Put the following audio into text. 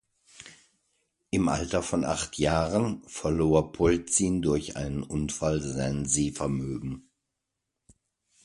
Im Alter von acht Jahren verlor Polzin durch einen Unfall sein Sehvermögen.